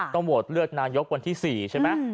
โหวตเลือกนายกวันที่๔ใช่ไหม